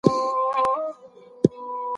کمپيوټر ګودام اداره کوي.